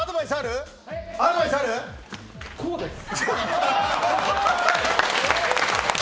こうです！